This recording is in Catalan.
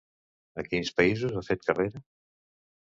A quins països ha fet carrera?